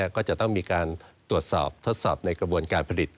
ก็จะต้องมีการตรวจสอบทดสอบในกระบวนการผลิต